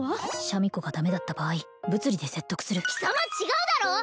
シャミ子がダメだった場合物理で説得する貴様違うだろう！